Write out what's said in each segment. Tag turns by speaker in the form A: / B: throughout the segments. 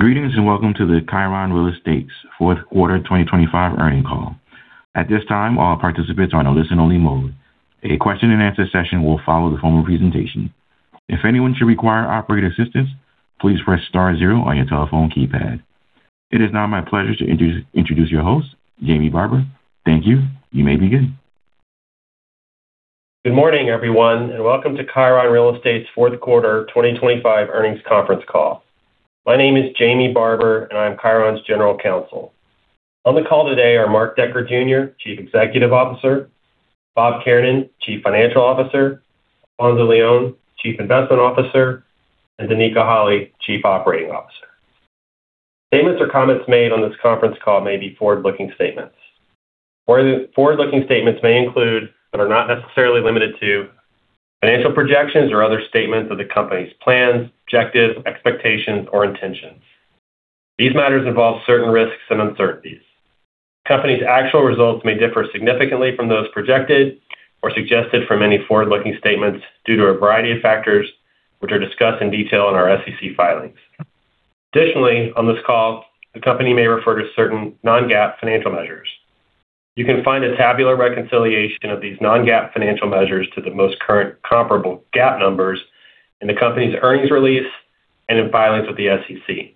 A: Greetings, Welcome to the Chiron Real Estate's Q4 2025 Earnings Call. At this time, all participants are on a listen-only mode. A question and answer session will follow the formal presentation. If anyone should require operator assistance, please press star zero on your telephone keypad. It is now my pleasure to introduce your host, Jamie Barber. Thank you. You may begin.
B: Good morning, everyone, welcome to Chiron Real Estate's Q4 2025 earnings conference call. My name is Jamie Barber, I'm Chiron's General Counsel. On the call today are Mark Decker, Jr., Chief Executive Officer, Bob Kiernan, Chief Financial Officer, Alonso Leon, Chief Investment Officer, and Danica Holley, Chief Operating Officer. Statements or comments made on this conference call may be forward-looking statements. Forward-looking statements may include, but are not necessarily limited to, financial projections or other statements of the company's plans, objectives, expectations, or intentions. These matters involve certain risks and uncertainties. The company's actual results may differ significantly from those projected or suggested from any forward-looking statements due to a variety of factors, which are discussed in detail in our SEC filings. On this call, the company may refer to certain non-GAAP financial measures. You can find a tabular reconciliation of these non-GAAP financial measures to the most current comparable GAAP numbers in the company's earnings release and in filings with the SEC.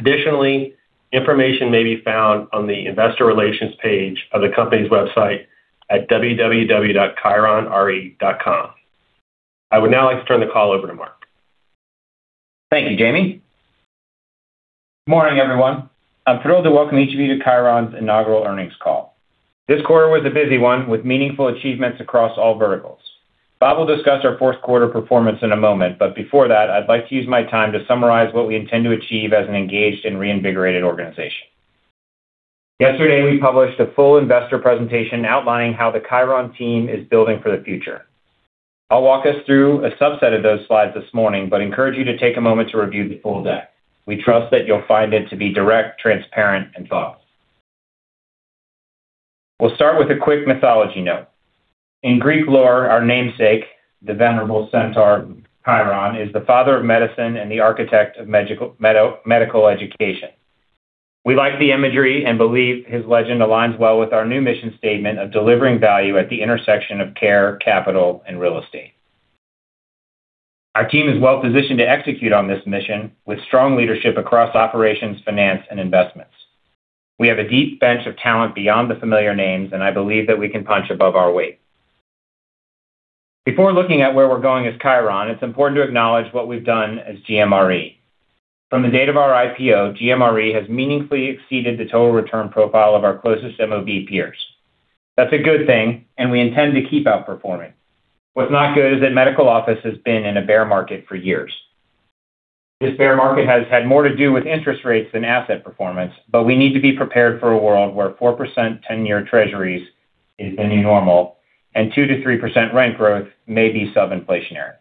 B: Additionally, information may be found on the investor relations page of the company's website at www.chironre.com. I would now like to turn the call over to Mark.
C: Thank you, Jamie. Good morning, everyone. I'm thrilled to welcome each of you to Chiron's inaugural earnings call. This quarter was a busy one, with meaningful achievements across all verticals. Bob will discuss our Q4 performance in a moment. Before that, I'd like to use my time to summarize what we intend to achieve as an engaged and reinvigorated organization. Yesterday, we published a full investor presentation outlining how the Chiron team is building for the future. I'll walk us through a subset of those slides this morning. Encourage you to take a moment to review the full deck. We trust that you'll find it to be direct, transparent, and thoughtful. We'll start with a quick mythology note. In Greek lore, our namesake, the venerable centaur, Chiron, is the father of medicine and the architect of medical education. We like the imagery and believe his legend aligns well with our new mission statement of delivering value at the intersection of care, capital, and real estate. Our team is well-positioned to execute on this mission with strong leadership across operations, finance, and investments. We have a deep bench of talent beyond the familiar names, and I believe that we can punch above our weight. Before looking at where we're going as Chiron, it's important to acknowledge what we've done as GMRE. From the date of our IPO, GMRE has meaningfully exceeded the total return profile of our closest MOB peers. That's a good thing, and we intend to keep outperforming. What's not good is that medical office has been in a bear market for years. This bear market has had more to do with interest rates than asset performance. We need to be prepared for a world where 4% 10-year Treasuries is the new normal and 2%-3% rent growth may be sub-inflationary.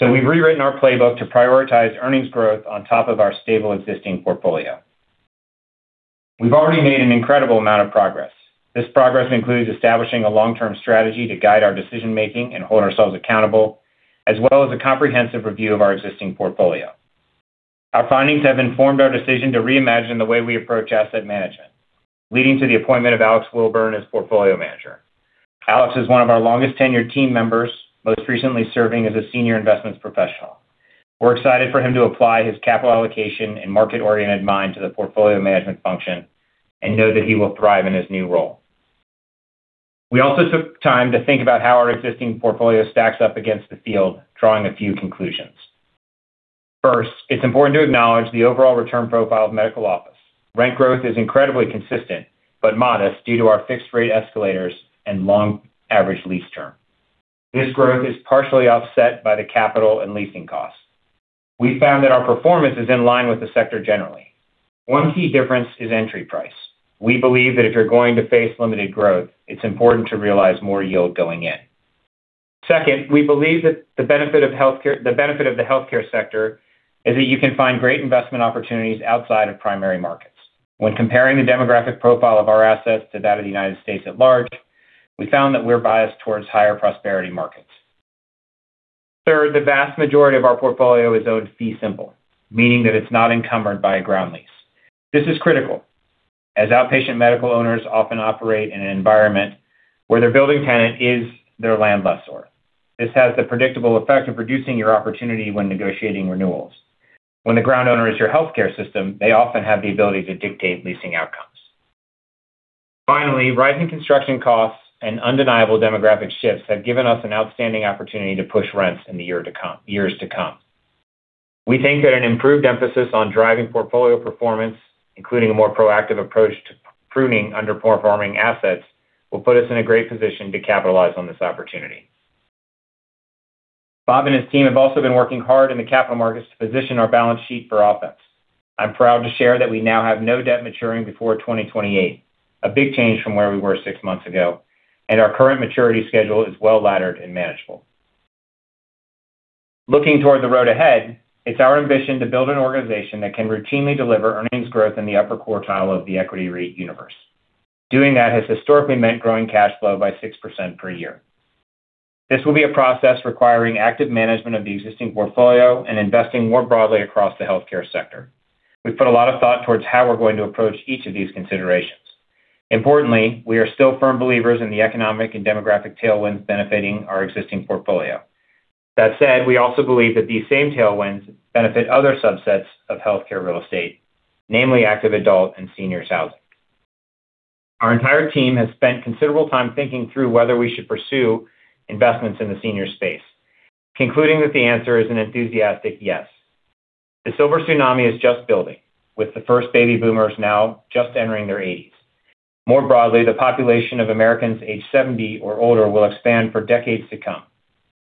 C: We've rewritten our playbook to prioritize earnings growth on top of our stable, existing portfolio. We've already made an incredible amount of progress. This progress includes establishing a long-term strategy to guide our decision-making and hold ourselves accountable, as well as a comprehensive review of our existing portfolio. Our findings have informed our decision to reimagine the way we approach asset management, leading to the appointment of Alex Wilburn as Portfolio Manager. Alex is one of our longest-tenured team members, most recently serving as a senior investments professional. We're excited for him to apply his capital allocation and market-oriented mind to the portfolio management function and know that he will thrive in his new role. We also took time to think about how our existing portfolio stacks up against the field, drawing a few conclusions. First, it's important to acknowledge the overall return profile of medical office. Rent growth is incredibly consistent but modest, due to our fixed-rate escalators and long average lease term. This growth is partially offset by the capital and leasing costs. We found that our performance is in line with the sector generally. One key difference is entry price. We believe that if you're going to face limited growth, it's important to realize more yield going in. Second, we believe that the benefit of the healthcare sector is that you can find great investment opportunities outside of primary markets. When comparing the demographic profile of our assets to that of the United States at large, we found that we're biased towards higher prosperity markets. Third, the vast majority of our portfolio is owed fee simple, meaning that it's not encumbered by a ground lease. This is critical, as outpatient medical owners often operate in an environment where their building tenant is their land lessor. This has the predictable effect of reducing your opportunity when negotiating renewals. When the ground owner is your healthcare system, they often have the ability to dictate leasing outcomes. Finally, rising construction costs and undeniable demographic shifts have given us an outstanding opportunity to push rents in the years to come. We think that an improved emphasis on driving portfolio performance, including a more proactive approach to pruning underperforming assets, will put us in a great position to capitalize on this opportunity. Bob and his team have also been working hard in the capital markets to position our balance sheet for offense. I'm proud to share that we now have no debt maturing before 2028, a big change from where we were 6 months ago, and our current maturity schedule is well-laddered and manageable. Looking toward the road ahead, it's our ambition to build an organization that can routinely deliver earnings growth in the upper quartile of the equity REIT universe. Doing that has historically meant growing cash flow by 6% per year.... This will be a process requiring active management of the existing portfolio and investing more broadly across the healthcare sector. We've put a lot of thought towards how we're going to approach each of these considerations. Importantly, we are still firm believers in the economic and demographic tailwinds benefiting our existing portfolio. That said, we also believe that these same tailwinds benefit other subsets of healthcare real estate, namely active adult and seniors housing. Our entire team has spent considerable time thinking through whether we should pursue investments in the senior space, concluding that the answer is an enthusiastic yes. The silver tsunami is just building, with the first baby boomers now just entering their eighties. More broadly, the population of Americans aged 70 or older will expand for decades to come.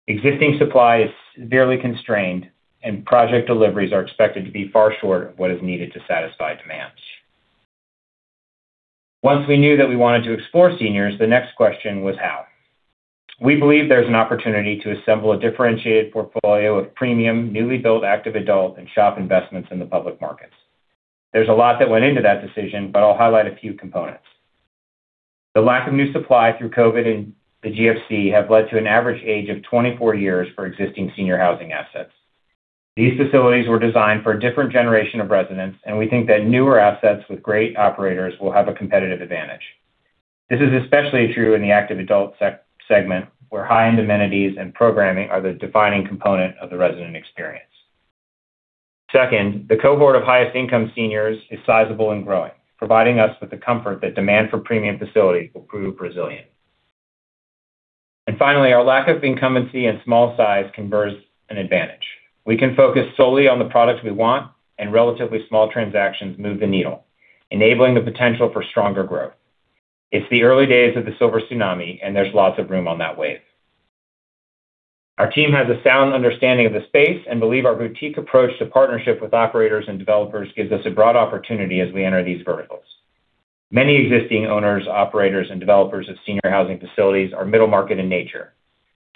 C: Existing supply is severely constrained, and project deliveries are expected to be far short of what is needed to satisfy demand. Once we knew that we wanted to explore seniors, the next question was how. We believe there's an opportunity to assemble a differentiated portfolio of premium, newly built, active adult, and SHOP investments in the public markets. There's a lot that went into that decision, but I'll highlight a few components. The lack of new supply through COVID and the GFC have led to an average age of 24 years for existing senior housing assets. These facilities were designed for a different generation of residents, and we think that newer assets with great operators will have a competitive advantage. This is especially true in the active adult segment, where high-end amenities and programming are the defining component of the resident experience. Second, the cohort of highest income seniors is sizable and growing, providing us with the comfort that demand for premium facilities will prove resilient. Finally, our lack of incumbency and small size converts an advantage. We can focus solely on the products we want, and relatively small transactions move the needle, enabling the potential for stronger growth. It's the early days of the silver tsunami, and there's lots of room on that wave. Our team has a sound understanding of the space and believe our boutique approach to partnership with operators and developers gives us a broad opportunity as we enter these verticals. Many existing owners, operators, and developers of senior housing facilities are middle market in nature,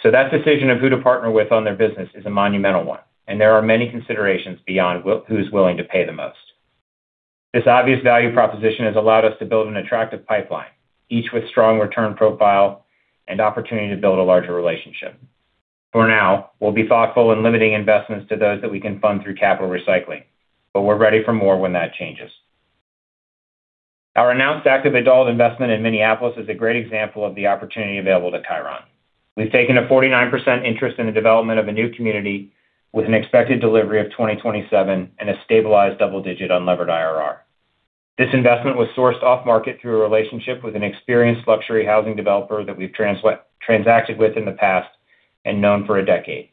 C: so that decision of who to partner with on their business is a monumental one, and there are many considerations beyond who's willing to pay the most. This obvious value proposition has allowed us to build an attractive pipeline, each with strong return profile and opportunity to build a larger relationship. For now, we'll be thoughtful in limiting investments to those that we can fund through capital recycling, but we're ready for more when that changes. Our announced active adult investment in Minneapolis is a great example of the opportunity available to Chiron. We've taken a 49% interest in the development of a new community with an expected delivery of 2027 and a stabilized double-digit unlevered IRR. This investment was sourced off market through a relationship with an experienced luxury housing developer that we've transacted with in the past and known for a decade.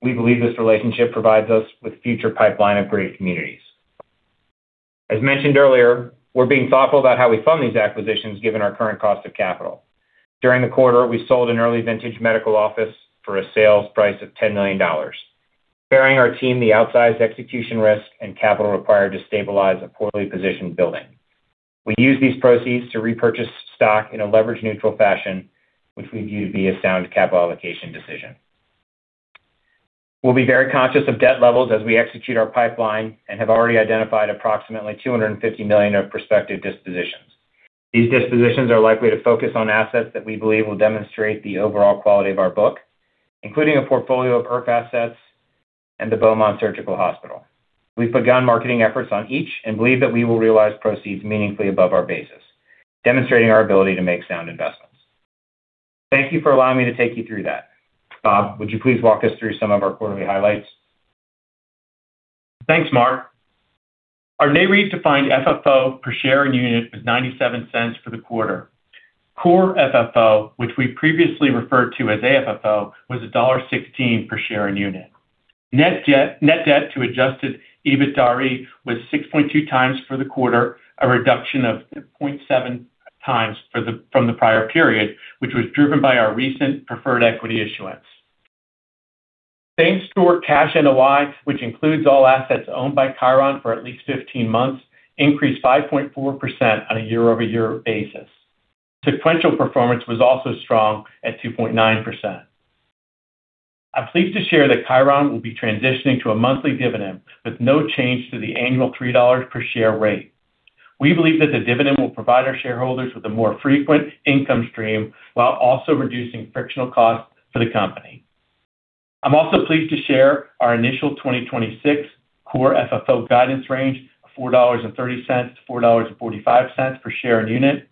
C: We believe this relationship provides us with future pipeline of great communities. As mentioned earlier, we're being thoughtful about how we fund these acquisitions, given our current cost of capital. During the quarter, we sold an early vintage medical office for a sales price of $10 million, sparing our team the outsized execution risk and capital required to stabilize a poorly positioned building. We used these proceeds to repurchase stock in a leverage-neutral fashion, which we view to be a sound capital allocation decision. We'll be very conscious of debt levels as we execute our pipeline and have already identified approximately $250 million of prospective dispositions. These dispositions are likely to focus on assets that we believe will demonstrate the overall quality of our book, including a portfolio of IRF assets and the Beaumont Surgical Hospital. We've begun marketing efforts on each and believe that we will realize proceeds meaningfully above our basis, demonstrating our ability to make sound investments. Thank you for allowing me to take you through that. Bob, would you please walk us through some of our quarterly highlights?
D: Thanks, Mark. Our Nareit defined FFO per share and unit was $0.97 for the quarter. Core FFO, which we previously referred to as AFFO, was $1.16 per share and unit. Net debt, net debt to adjusted EBITDA rate was 6.2 times for the quarter, a reduction of 0.7 times from the prior period, which was driven by our recent preferred equity issuance. Same-store cash NOI, which includes all assets owned by Chiron for at least 15 months, increased 5.4% on a year-over-year basis. Sequential performance was also strong at 2.9%. I'm pleased to share that Chiron will be transitioning to a monthly dividend, with no change to the annual $3 per share rate. We believe that the dividend will provide our shareholders with a more frequent income stream, while also reducing frictional costs for the company. I'm also pleased to share our initial 2026 Core FFO guidance range of $4.30-$4.45 per share and unit.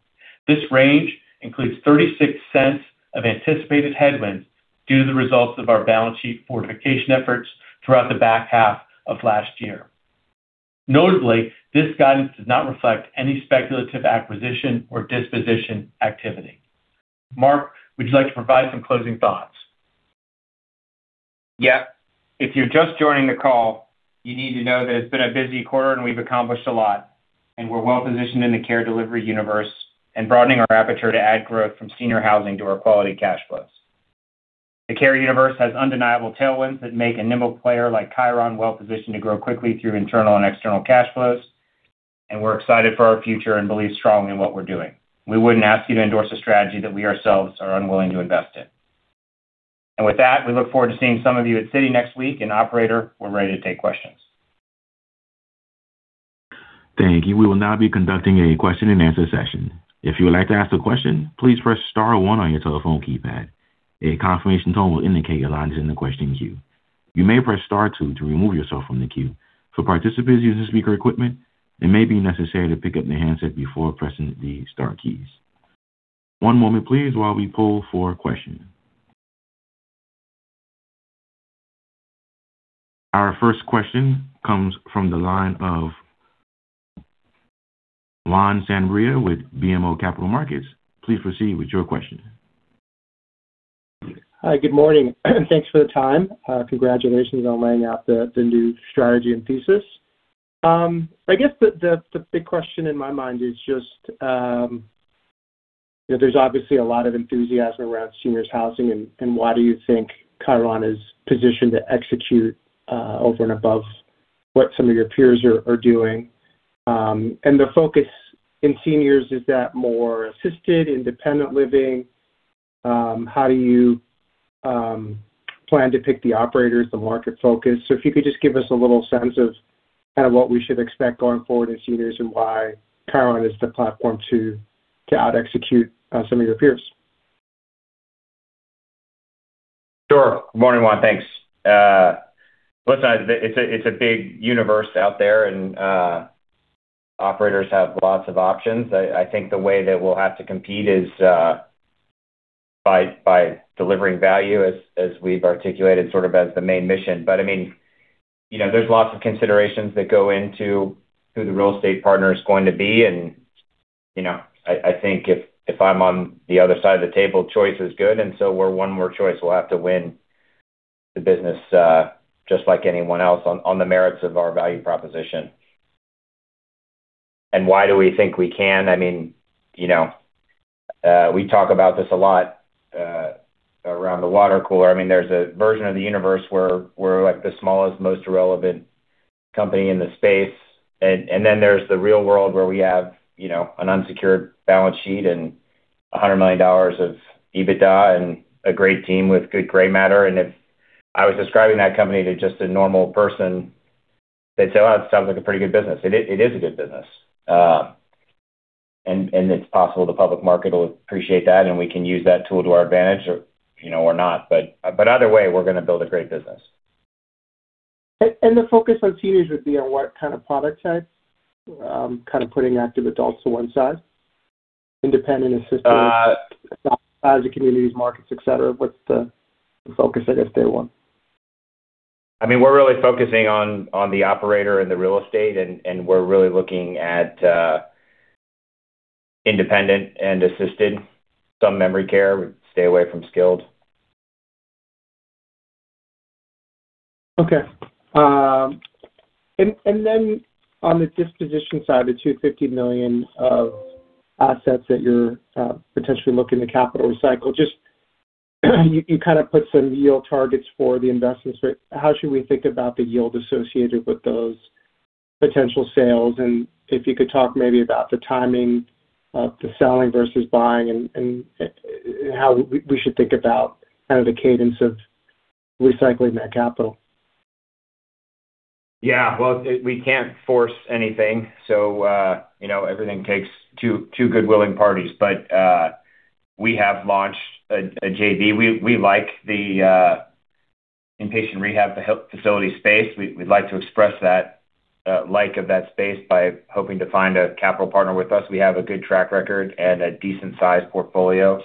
D: This range includes $0.36 of anticipated headwinds due to the results of our balance sheet fortification efforts throughout the back half of last year. Notably, this guidance does not reflect any speculative acquisition or disposition activity. Mark, would you like to provide some closing thoughts?
C: If you're just joining the call, you need to know that it's been a busy quarter, and we've accomplished a lot, and we're well positioned in the care delivery universe and broadening our aperture to add growth from senior housing to our quality cash flows. The care universe has undeniable tailwinds that make a nimble player like Chiron well positioned to grow quickly through internal and external cash flows, and we're excited for our future and believe strongly in what we're doing. We wouldn't ask you to endorse a strategy that we ourselves are unwilling to invest in. With that, we look forward to seeing some of you at Citi next week. Operator, we're ready to take questions.
A: Thank you. We will now be conducting a question-and-answer session. If you would like to ask a question, please press star one on your telephone keypad. A confirmation tone will indicate your line is in the question queue. You may press star two to remove yourself from the queue. For participants using speaker equipment, it may be necessary to pick up the handset before pressing the star keys. One moment please, while we pull for a question. Our first question comes from the line of Juan Sanabria with BMO Capital Markets. Please proceed with your question.
E: Hi, good morning. Thanks for the time. Congratulations on laying out the new strategy and thesis. I guess the big question in my mind is just, you know, there's obviously a lot of enthusiasm around seniors housing, and why do you think Chiron is positioned to execute over and above what some of your peers are doing? The focus in seniors, is that more assisted, independent living? How do you plan to pick the operators, the market focus? If you could just give us a little sense of kind of what we should expect going forward in seniors and why Chiron is the platform to out execute some of your peers.
C: Sure. Good morning, Juan. Thanks. Listen, it's a, it's a big universe out there. Operators have lots of options. I think the way that we'll have to compete is by delivering value, as we've articulated, sort of as the main mission. I mean, you know, there's lots of considerations that go into who the real estate partner is going to be. You know, I think if I'm on the other side of the table, choice is good. So we're one more choice. We'll have to win the business, just like anyone else, on the merits of our value proposition. Why do we think we can? I mean, you know, we talk about this a lot, around the water cooler. I mean, there's a version of the universe where we're like the smallest, most irrelevant company in the space. Then there's the real world where we have, you know, an unsecured balance sheet and $100 million of EBITDA and a great team with good gray matter. If I was describing that company to just a normal person, they'd say, "Oh, it sounds like a pretty good business." It is a good business. It's possible the public market will appreciate that, and we can use that tool to our advantage or, you know, or not. Either way, we're gonna build a great business.
E: The focus on seniors would be on what kind of product type? Kind of putting active adults to one side, independent, assisted, communities, markets, et cetera. What's the focus, I guess, day one?
C: I mean, we're really focusing on the operator and the real estate, and we're really looking at independent and assisted. Some memory care. We stay away from skilled.
E: Okay. Then on the disposition side, the $250 million of assets that you're potentially looking to capital recycle, just, you can kind of put some yield targets for the investments. How should we think about the yield associated with those potential sales? If you could talk maybe about the timing of the selling versus buying and, how we should think about kind of the cadence of recycling that capital.
C: Yeah. Well, we can't force anything, so, you know, everything takes two good willing parties. We have launched a JV. We like the inpatient rehab, the health facility space. We'd like to express that like of that space by hoping to find a capital partner with us. We have a good track record and a decent sized portfolio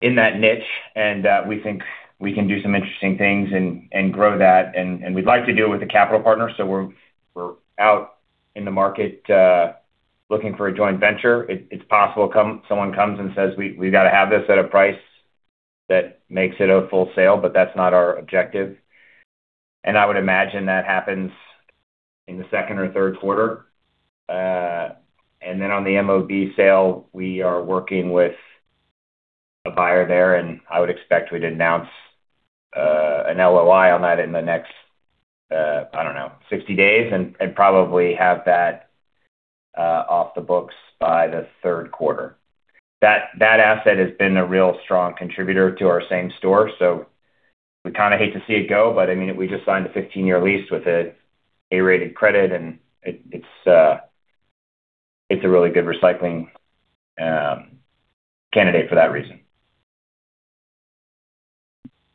C: in that niche, and we think we can do some interesting things and grow that. We'd like to do it with a capital partner. We're out in the market looking for a joint venture. It's possible someone comes and says, "We've got to have this at a price that makes it a full sale," but that's not our objective. I would imagine that happens in the Q2 or Q3. On the MOB sale, we are working with a buyer there, I would expect we'd announce an LOI on that in the next, I don't know, 60 days, and probably have that off the books by the Q3. That asset has been a real strong contributor to our same store, we kind of hate to see it go, I mean, we just signed a 15-year lease with a A-rated credit, and it's a really good recycling candidate for that reason.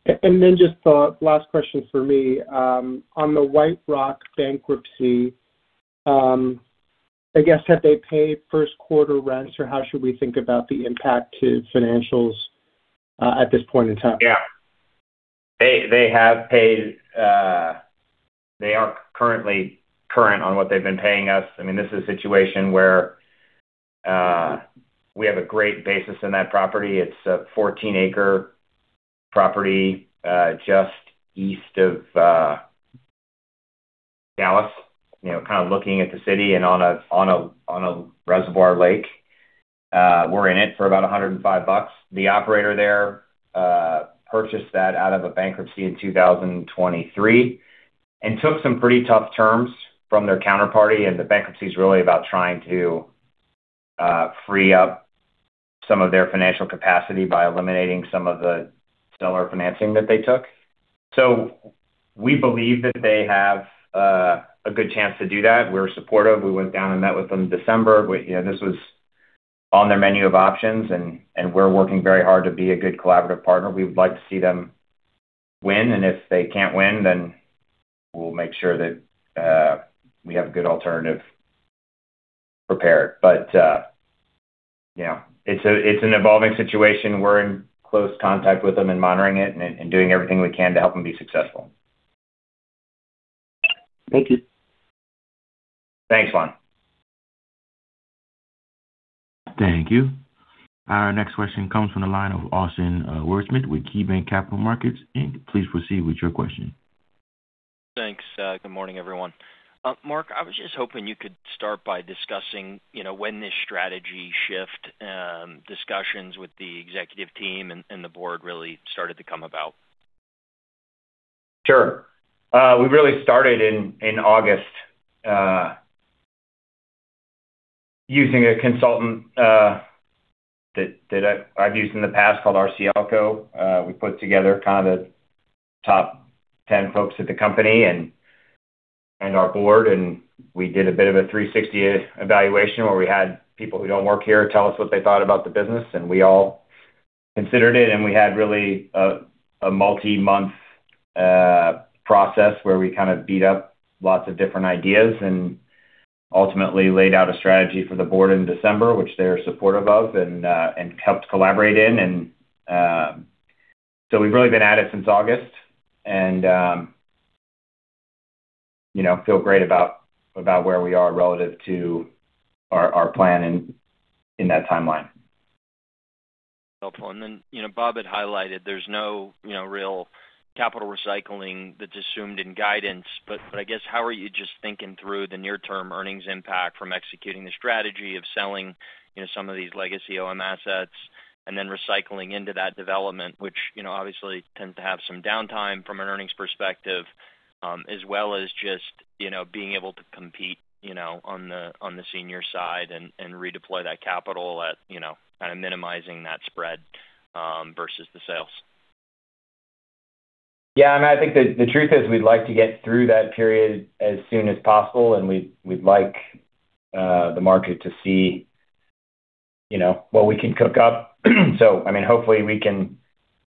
E: Just the last question for me. On the White Rock bankruptcy, I guess, have they paid Q1 rents, or how should we think about the impact to financials at this point in time?
C: They have paid. They are currently current on what they've been paying us. I mean, this is a situation where we have a great basis in that property. It's a 14 acre property, just east of Dallas, you know, kind of looking at the city and on a reservoir lake. We're in it for about $105. The operator there purchased that out of a bankruptcy in 2023 and took some pretty tough terms from their counterparty. The bankruptcy is really about trying to free up some of their financial capacity by eliminating some of the seller financing that they took. We believe that they have a good chance to do that. We're supportive. We went down and met with them in December. We, you know, this was on their menu of options, and we're working very hard to be a good collaborative partner. We would like to see them win, and if they can't win, then we'll make sure that we have a good alternative prepared. Yeah, it's a, it's an evolving situation. We're in close contact with them and monitoring it and doing everything we can to help them be successful.
E: Thank you.
C: Thanks, Juan.
A: Thank you. Our next question comes from the line of Austin Wurschmidt with KeyBanc Capital Markets. Please proceed with your question.
F: Thanks. Good morning, everyone. Mark, I was just hoping you could start by discussing, you know, when this strategy shift, discussions with the executive team and the board really started to come about?
C: Sure. We really started in August, using a consultant that I've used in the past called RCLCO. We put together kind of the top 10 folks at the company and our board, and we did a bit of a 360 evaluation, where we had people who don't work here tell us what they thought about the business, and we all considered it. We had really a multi-month process where we kind of beat up lots of different ideas and ultimately laid out a strategy for the board in December, which they're supportive of and helped collaborate in. We've really been at it since August and, you know, feel great about where we are relative to our plan in that timeline.
F: Helpful. You know, Bob had highlighted there's no, you know, real capital recycling that's assumed in guidance, but I guess, how are you just thinking through the near-term earnings impact from executing the strategy of selling, you know, some of these legacy OM assets and then recycling into that development, which, you know, obviously tends to have some downtime from an earnings perspective, as well as just, you know, being able to compete, you know, on the senior side and redeploy that capital at, you know, kind of minimizing that spread, versus the sales?
C: Yeah, I mean, I think the truth is we'd like to get through that period as soon as possible, and we'd like the market to see, you know, what we can cook up. I mean, hopefully, we can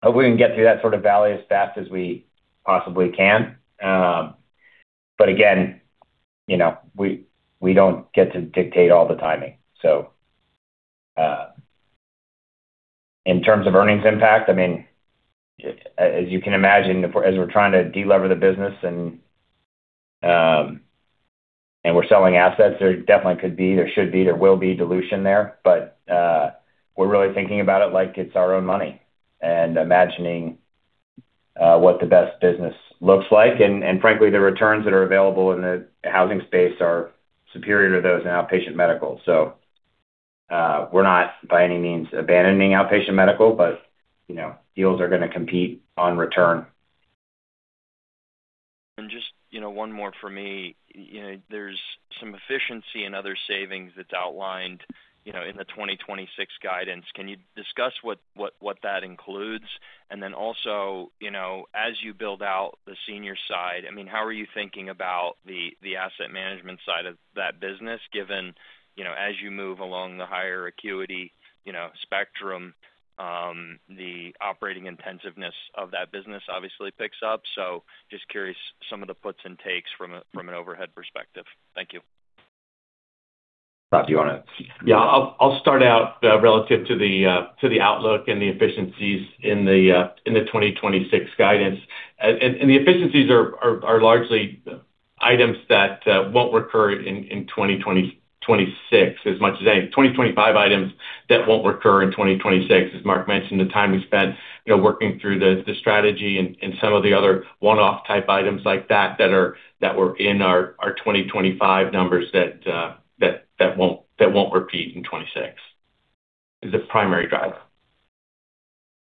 C: get through that sort of valley as fast as we possibly can. Again, you know, we don't get to dictate all the timing. In terms of earnings impact, I mean, as you can imagine, as we're trying to delever the business and we're selling assets, there definitely could be, there should be, there will be dilution there. We're really thinking about it like it's our own money and imagining what the best business looks like. Frankly, the returns that are available in the housing space are superior to those in outpatient medical. We're not by any means abandoning outpatient medical, but, you know, deals are gonna compete on return.
F: Just, you know, one more for me. You know, there's some efficiency and other savings that's outlined, you know, in the 2026 guidance. Can you discuss what that includes? Then also, you know, as you build out the senior side, I mean, how are you thinking about the asset management side of that business, given, you know, as you move along the higher acuity, you know, spectrum, the operating intensiveness of that business obviously picks up? Just curious, some of the puts and takes from an overhead perspective. Thank you.
C: Bob, do you want to-
D: Yeah. I'll start out relative to the to the outlook and the efficiencies in the 2026 guidance. And the efficiencies are largely items that won't recur in 2026 as much as any 2025 items that won't recur in 2026. As Mark mentioned, the time we spent, you know, working through the strategy and some of the other one-off type items like that were in our 2025 numbers that won't repeat in 2026, is the primary driver.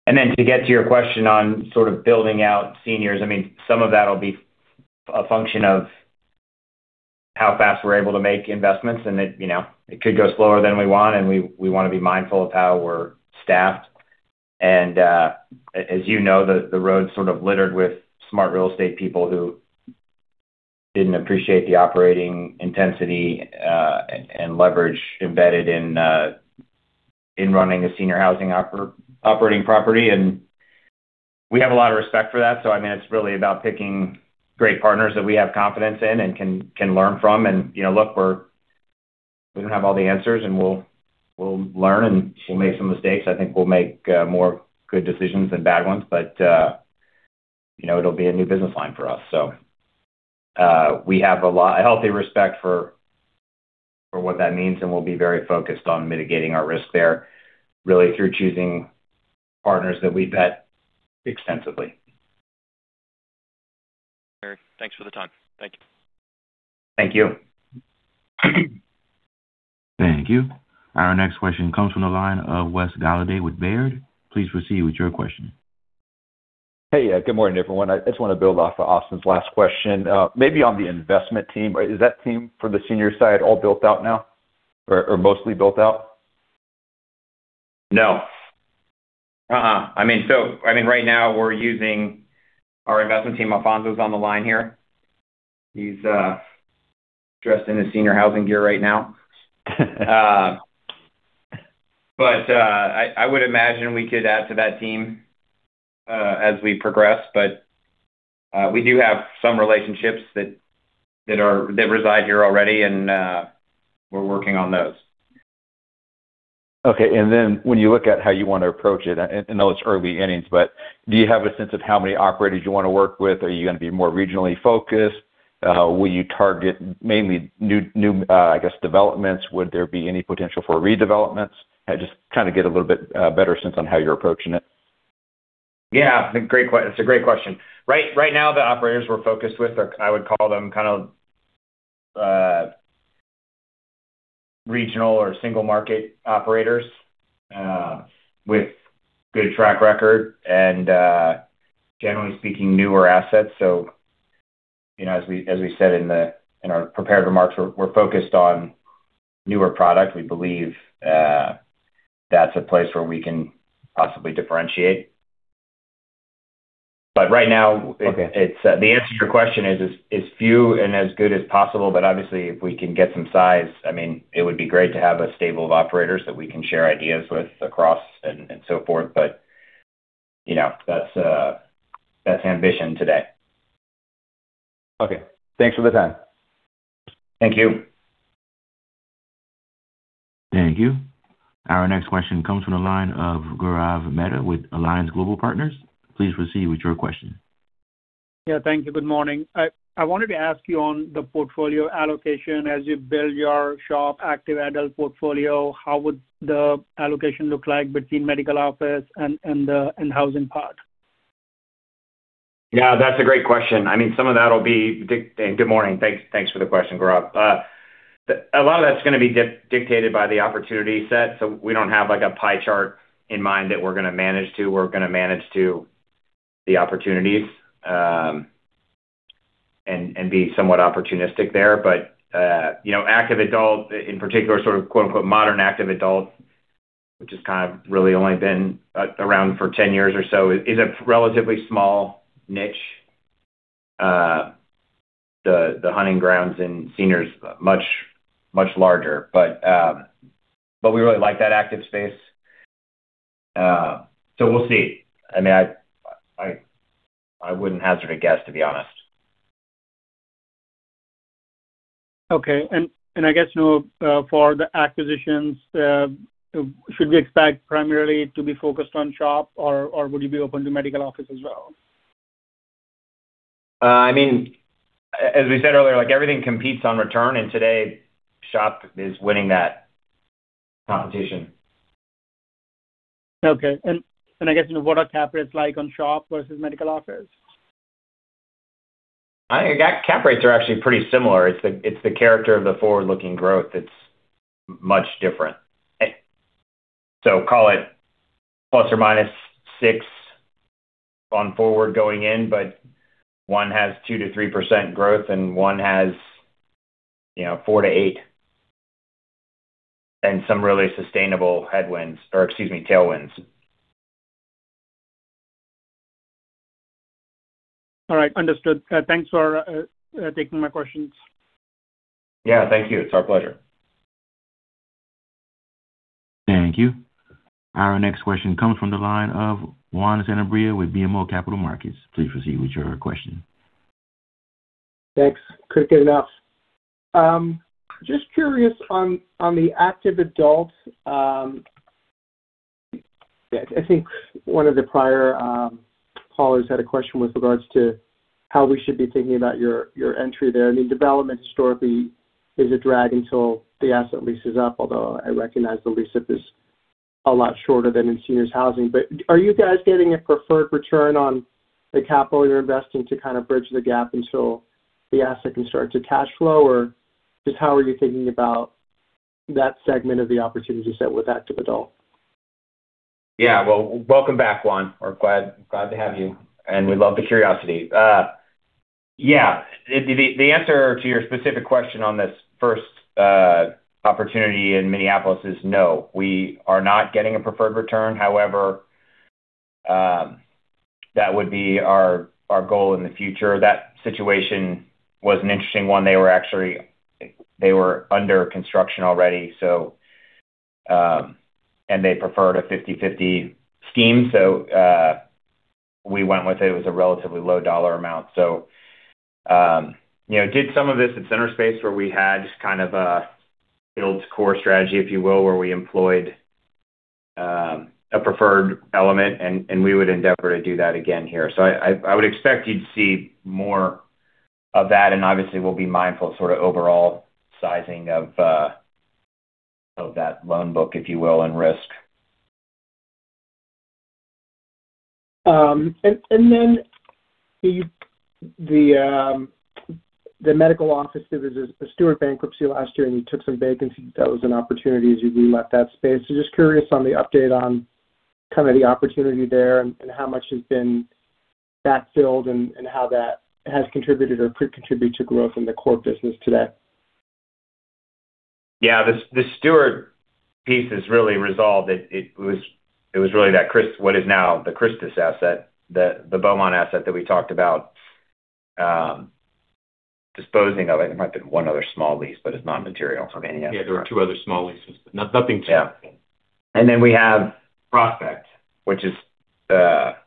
C: To get to your question on sort of building out seniors, I mean, some of that'll be a function of how fast we're able to make investments, and it, you know, it could go slower than we want, and we wanna be mindful of how we're staffed. As you know, the road's sort of littered with smart real estate people who didn't appreciate the operating intensity, and leverage embedded in running a senior housing operating property. We have a lot of respect for that. I mean, it's really about picking great partners that we have confidence in and can learn from. And, you know, look, we don't have all the answers, and we'll learn, and we'll make some mistakes. I think we'll make more good decisions than bad ones, but, you know, it'll be a new business line for us. We have a healthy respect for what that means, and we'll be very focused on mitigating our risk there, really through choosing partners that we vet extensively.
F: Thanks for the time. Thank you.
C: Thank you.
A: Thank you. Our next question comes from the line of Wes Golladay with Baird. Please proceed with your question.
G: Hey, yeah, good morning, everyone. I just want to build off of Austin's last question. Maybe on the investment team, is that team for the senior side all built out now or mostly built out?
C: No. Uh-uh. I mean, right now we're using our investment team. Alfonso's on the line here. He's dressed in his senior housing gear right now. I would imagine we could add to that team as we progress, but we do have some relationships that reside here already, and we're working on those.
G: Okay. Then when you look at how you want to approach it, I know it's early innings, but do you have a sense of how many operators you want to work with? Are you going to be more regionally focused? Will you target mainly new, I guess, developments? Would there be any potential for redevelopments? I just kind of get a little bit better sense on how you're approaching it.
C: Yeah, that's a great question. Right now, the operators we're focused with are, I would call them kind of regional or single market operators with good track record and generally speaking, newer assets. You know, as we said in our prepared remarks, we're focused on newer product. We believe that's a place where we can possibly differentiate.
G: Okay.
C: It's the answer to your question is few and as good as possible, but obviously, if we can get some size, I mean, it would be great to have a stable of operators that we can share ideas with across and so forth. You know, that's that's ambition today.
G: Okay. Thanks for the time.
C: Thank you.
A: Thank you. Our next question comes from the line of Gaurav Mehta with Alliance Global Partners. Please proceed with your question.
H: Yeah, thank you. Good morning. I wanted to ask you on the portfolio allocation as you build your SHOP, active adult portfolio, how would the allocation look like between medical office and the housing part?
C: Yeah, that's a great question. I mean, some of that will be. Good morning. Thanks for the question, Gaurav. A lot of that's gonna be dictated by the opportunity set, so we don't have, like, a pie chart in mind that we're gonna manage to. We're gonna manage to the opportunities, and be somewhat opportunistic there. You know, active adult, in particular, sort of quote-unquote, modern active adult, which has kind of really only been around for 10 years or so, is a relatively small niche. The hunting grounds in seniors, much larger. We really like that active space. We'll see. I mean, I wouldn't hazard a guess, to be honest.
H: Okay. I guess, you know, for the acquisitions, should we expect primarily to be focused on SHOP, or would you be open to medical office as well?
C: I mean, as we said earlier, like, everything competes on return, and today, SHOP is winning that competition.
H: Okay. I guess, what are cap rates like on SHOP versus medical office?
C: I think our cap rates are actually pretty similar. It's the character of the forward-looking growth that's much different. Call it ±6 on forward going in, but one has 2%-3% growth and one has, you know, 4%-8%, and some really sustainable headwinds or, excuse me, tailwinds.
H: All right. Understood. Thanks for taking my questions.
C: Yeah, thank you. It's our pleasure.
A: Thank you. Our next question comes from the line of Juan Sanabria with BMO Capital Markets. Please proceed with your question.
E: Thanks. Quick enough. Just curious on the active adult. Yeah, I think one of the prior callers had a question with regards to how we should be thinking about your entry there. I mean, development historically is a drag until the asset lease is up, although I recognize the lease up is a lot shorter than in seniors' housing. Are you guys getting a preferred return on the capital you're investing to kind of bridge the gap until the asset can start to cash flow? Just how are you thinking about that segment of the opportunity set with active adult?
C: Well, welcome back, Juan. We're glad to have you, and we love the curiosity. The answer to your specific question on this first opportunity in Minneapolis is no, we are not getting a preferred return. That would be our goal in the future. That situation was an interesting one. They were actually under construction already. They preferred a 50/50 scheme. We went with it. It was a relatively low dollar amount. You know, did some of this at Centerspace, where we had just kind of a built core strategy, if you will, where we employed a preferred element, and we would endeavor to do that again here. I would expect you to see more of that, and obviously, we'll be mindful of sort of overall sizing of that loan book, if you will, and risk.
E: The medical office, there was a Steward bankruptcy last year, and you took some vacancy. That was an opportunity as you relet that space. Just curious on the update on kind of the opportunity there and how much has been backfilled and how that has contributed or could contribute to growth in the core business today?
C: Yeah, the Steward piece is really resolved. It was really that CHRISTUS, what is now the CHRISTUS asset, the Beaumont asset that we talked about disposing of it. There might be one other small lease, but it's not material from.
E: There are 2 other small leases. nothing to.
C: Yeah. We have Prospect, which is still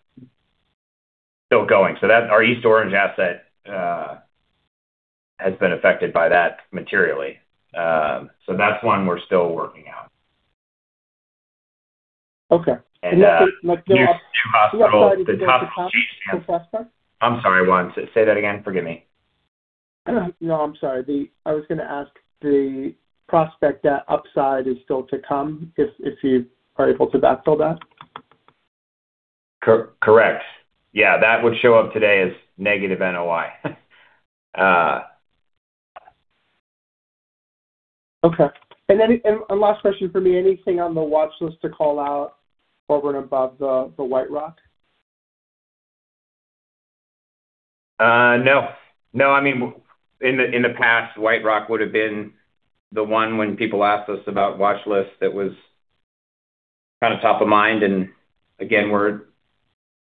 C: going. Our East Orange asset has been affected by that materially. That's one we're still working out.
E: Okay.
C: These two hospitals.
E: I'm sorry to cut.
C: I'm sorry, Juan. Say that again. Forgive me.
E: No, I'm sorry. I was gonna ask, the prospect that upside is still to come, if you are able to backfill that?
C: Correct. Yeah, that would show up today as negative NOI.
E: Okay. Then, and last question for me, anything on the watch list to call out over and above the White Rock?
C: No. No, I mean, in the, in the past, White Rock would have been the one when people asked us about watch list, that was kind of top of mind. Again,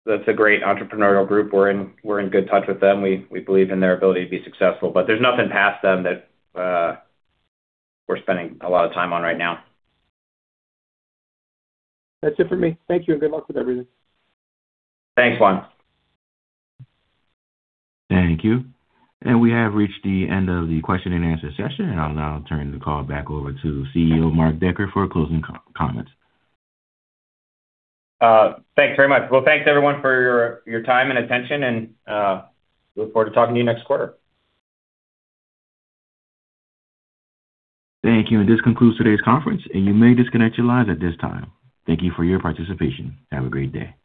C: That's a great entrepreneurial group. We're in, we're in good touch with them. We, we believe in their ability to be successful. There's nothing past them that we're spending a lot of time on right now.
E: That's it for me. Thank you, and good luck with everything.
C: Thanks, Juan.
A: Thank you. We have reached the end of the question and answer session, and I'll now turn the call back over to CEO, Mark Decker, for closing co-comments.
C: Thanks very much. Well, thanks, everyone, for your time and attention, look forward to talking to you next quarter.
A: Thank you. This concludes today's conference, and you may disconnect your lines at this time. Thank you for your participation. Have a great day.